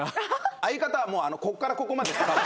相方は「ここからここまで」です多分。